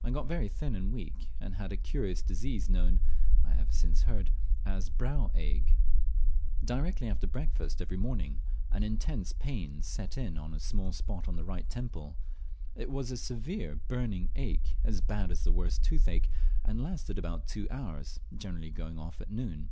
I got very thin and weak, and had a curious disease known (I have since heard) as brow ague. Directly after breakfast every morning an intense pain set in on a small spot on the right temple. It was a severe burning ache, as bad as the worst toothache, and lasted about two hours, generally going off at noon.